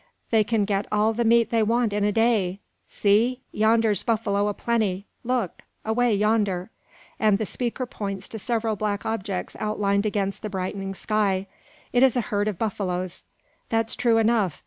"They can get all the meat they want in a day. See! yonder's buffalo a plenty; look! away yonder!" and the speaker points to several black objects outlined against the brightening sky. It is a herd of buffaloes. "That's true enough.